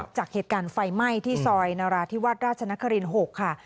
จากเหตุการณ์ไฟไหม้ที่ซอยนราธิวาสราชนคริน๖ค่ะ